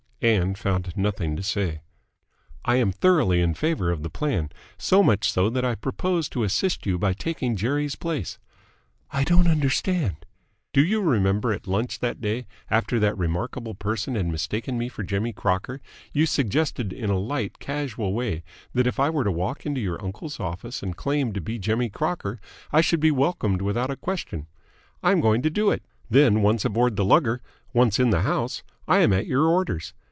Ann found nothing to say. "I am thoroughly in favour of the plan. So much so that I propose to assist you by taking Jerry's place." "I don't understand." "Do you remember at lunch that day, after that remarkable person had mistaken me for Jimmy Crocker, you suggested in a light, casual way that if I were to walk into your uncle's office and claim to be Jimmy Crocker I should be welcomed without a question? I'm going to do it. Then, once aboard the lugger once in the house, I am at your orders.